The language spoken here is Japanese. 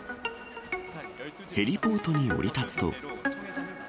ヘリポートに降り立つと。